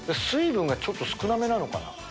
水分がちょっと少なめなのかな。